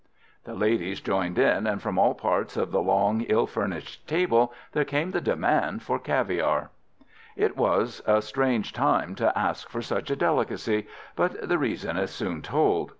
The ladies joined in, and from all parts of the long, ill furnished table there came the demand for caviare. It was a strange time to ask for such a delicacy, but the reason is soon told.